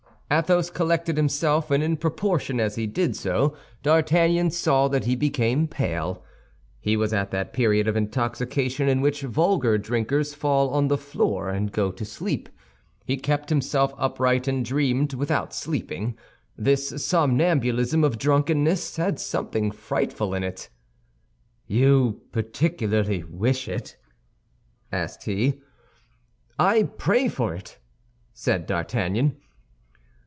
Athos collected himself, and in proportion as he did so, D'Artagnan saw that he became pale. He was at that period of intoxication in which vulgar drinkers fall on the floor and go to sleep. He kept himself upright and dreamed, without sleeping. This somnambulism of drunkenness had something frightful in it. "You particularly wish it?" asked he. "I pray for it," said D'Artagnan.